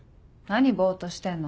何ボっとしてんの？